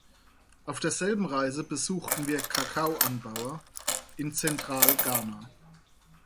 Auf derselben Reise besuchten wir Kakaoanbauer in Zentralghana.